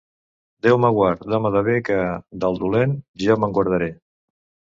Déu me guard d'home de bé que, del dolent, jo me'n guardaré.